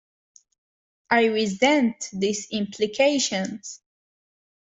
I resent these implications.